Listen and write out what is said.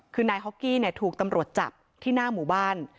คือนายฮอกกี้ถูกตำรวจจับที่หน้าหมู่บ้าน